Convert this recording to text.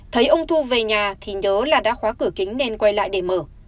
thấy ông thu về nhà thì nhớ là đã khóa cửa kính nên quay lại để mở